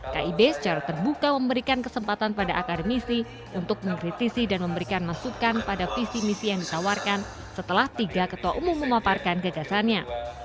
kib secara terbuka memberikan kesempatan pada akademisi untuk mengkritisi dan memberikan masukan pada visi misi yang ditawarkan setelah tiga ketua umum memaparkan gagasannya